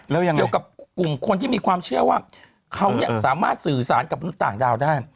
แล้วยังไงเกี่ยวกับกลุ่มคนที่มีความเชื่อว่าเขาสามารถสื่อสารกับมนุษย์ต่างดาวได้